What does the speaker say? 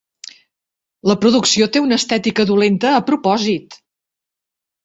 La producció té una "estètica dolenta a propòsit".